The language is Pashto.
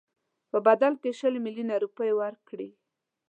په بدل کې شل میلیونه روپۍ ورکړي.